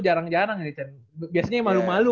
jarang jarang biasanya malu malu